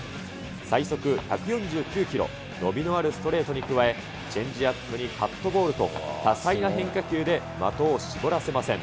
最速１４９キロ、伸びのあるストレートに加え、チェンジアップにカットボールと、多彩な変化球で的を絞らせません。